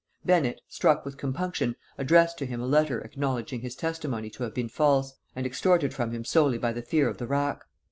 Bennet, struck with compunction, addressed to him a letter acknowledging his testimony to have been false, and extorted from him solely by the fear of the rack.